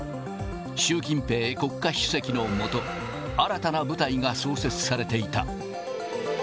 習近平国家主席の下、新たな部隊が創設されていた。